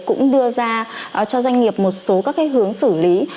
cũng đưa ra cho doanh nghiệp một số các hướng xử lý